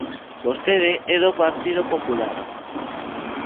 Vostede é do Partido Popular.